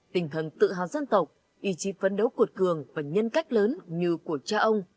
tinh thần tự hào dân tộc ý chí phấn đấu cuột cường và nhân cách lớn như của cha ông